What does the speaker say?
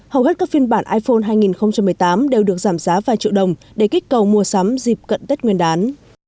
hầu hết các phiên bản iphone hai nghìn một mươi tám đều được giảm giá vài triệu đồng để kích cầu mua sắm dịp cận tết nguyên đán